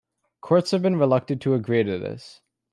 Courts have been reluctant to agree to this.